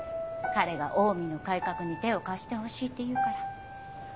彼がオウミの改革に手を貸してほしいって言うから。